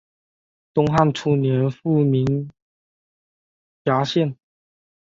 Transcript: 东汉初年复名衙县。